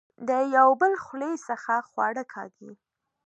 د يو بل خولې څخه خواړۀ کاږي